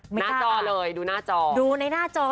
หน้าจอเลยดูหน้าจอ